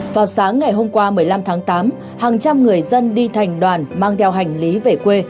vào sáng ngày hôm qua một mươi năm tháng tám hàng trăm người dân đi thành đoàn mang theo hành lý về quê